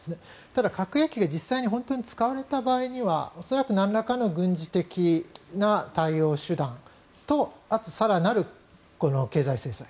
ただ、核兵器が実際に本当に使われた場合には恐らくなんらかの軍事的な対応、手段とあと、更なる経済制裁。